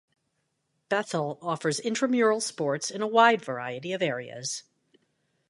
Bethel offers Intramural sports in a wide variety of areas.